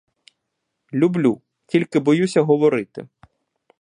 Люблю, тільки боюся говорити.